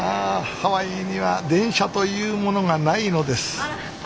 ハワイには電車というものがないのですあら！